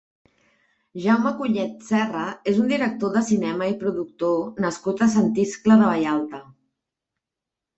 Jaume Collet-Serra és un director de cinema i productor nascut a Sant Iscle de Vallalta.